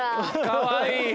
かわいい。